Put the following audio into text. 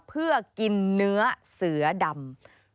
เพื่อกินเนื้อเสือดำ